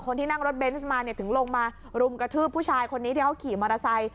คนที่นั่งรถเบนส์มาเนี่ยถึงลงมารุมกระทืบผู้ชายคนนี้ที่เขาขี่มอเตอร์ไซค